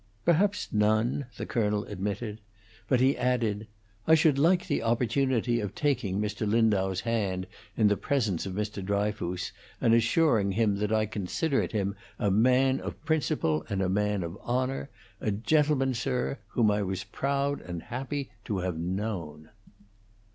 "Perhaps none," the colonel admitted. But he added, "I should like the opportunity of taking Mr. Lindau's hand in the presence of Mr. Dryfoos and assuring him that I considered him a man of principle and a man of honor a gentleman, sir, whom I was proud and happy to have known."